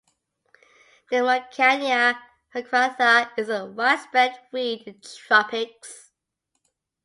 "Mikania micrantha" is a widespread weed in the tropics.